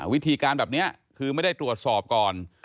วิธีการแบบนี้คือไม่ได้ตรวจสอบก่อน